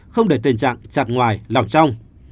không để tình trạng chặt ngoài lỏng trong